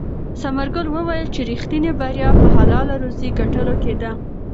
ثمرګل وویل چې ریښتینې بریا په حلاله روزي ګټلو کې ده.